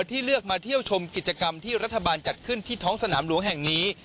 ที่เลือกมาเที่ยวชมกิจกรรมที่รัฐบาลจัดขึ้นที่ท้องสนามหลวงแห่งนี้